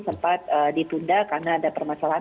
sempat ditunda karena ada permasalahan